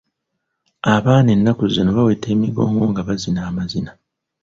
Abaana ennaku zino baweta emigongo nga bazina amazina.